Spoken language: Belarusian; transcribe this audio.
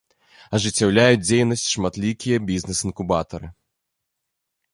Ажыццяўляюць дзейнасць шматлікія бізнес інкубатары.